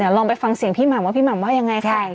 เดี๋ยวลองไปฟังเสียงพี่หมัมว่าพี่หมัมว่ายังไงค่ะ